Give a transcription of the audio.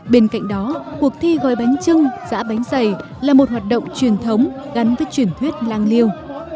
bên cạnh đó cuộc thi gói bánh trưng giã bánh dày là một hoạt động truyền thống gắn với truyền thuyết lang liêu